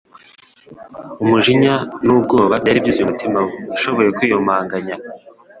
Umujinya n'ubwoba byari byuzuye umutima we; yashoboye kwiyumanganya